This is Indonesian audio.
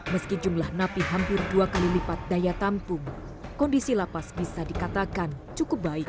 meski jumlah napi hampir dua kali lipat daya tampung kondisi lapas bisa dikatakan cukup baik